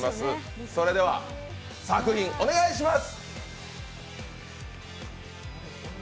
それでは作品、お願いします！